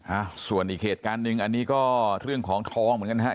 อ่าส่วนอีกเหตุการณ์หนึ่งอันนี้ก็เรื่องของทองเหมือนกันนะฮะ